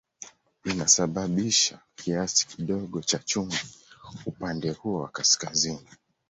Inasababisha kiasi kidogo cha chumvi upande huo wa kaskazini.